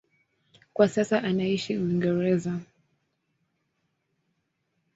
Kwa sasa anaishi Uingereza.